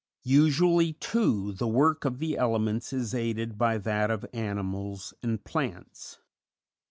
Usually, too, the work of the elements is aided by that of animals and plants.